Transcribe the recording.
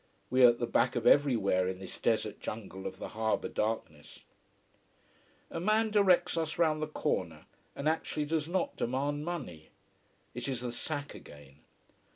We are at the back of everywhere in this desert jungle of the harbour darkness. A man directs us round the corner and actually does not demand money. It is the sack again.